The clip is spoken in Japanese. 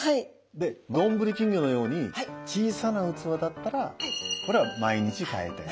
でどんぶり金魚のように小さな器だったらこれは毎日替えてあげる。